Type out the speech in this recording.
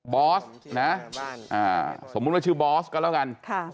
บอสนะสมมุติว่าชื่อบอสก็แล้วกัน